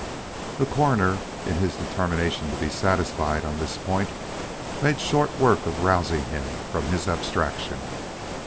The Coroner, in his determination to be satisfied on this point, made short work of rousing him from his abstraction.